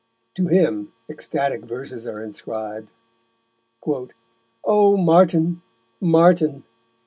To him ecstatic verses are inscribed: _O Martin! Martin!